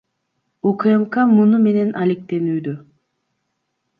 УКМК муну менен алектенүүдө.